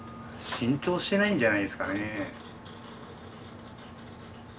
浸透してないんじゃないですかね。